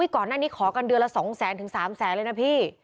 ก่อนหน้านี้ขอกันเดือนละ๒๐๐๐ถึง๓แสนเลยนะพี่